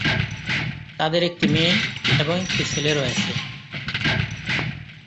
তাদের একটি মেয়ে এবং একটি ছেলে রয়েছে।